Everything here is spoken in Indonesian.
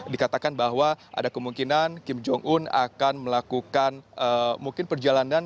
dikatakan bahwa ada kemungkinan kim jong un akan melakukan mungkin perjalanan